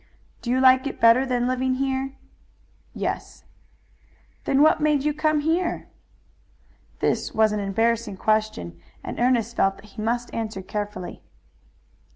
"Do you like it better than living here?" "Yes." "Then what made you come here?" This was an embarrassing question and Ernest felt that he must answer carefully.